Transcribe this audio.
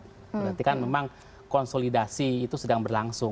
berarti kan memang konsolidasi itu sedang berlangsung